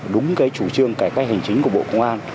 đúng cái chủ trương cải cách hành chính của bộ công an